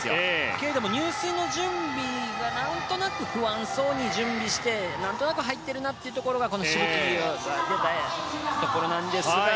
けど、入水の準備が何となく不安そうに準備して何となく入っているなというところがしぶきが出たところなんですが。